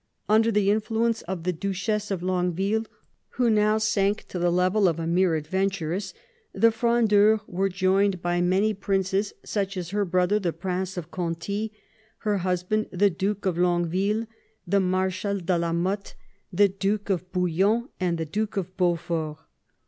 Under the influence of the Duchess of Longue ville, who now " sank to the level of a mere adventuress," the Frondeurs were joined by many princes, such as her brother the Prince of Conti, her husband the Duke of Longueville, the Marshal de la Mothe, the Duke of Bouillon, and the Duke of Beaufort.